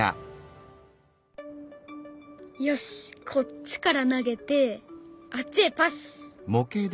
よしっこっちから投げてあっちへパス！